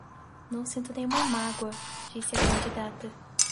Não sinto nenhuma mágoa, disse a candidata